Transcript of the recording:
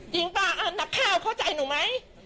จริงเปล่านับข้าวเข้าใจหนูไหม